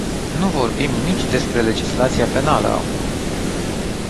Nu vorbim nici despre legislația penală acum.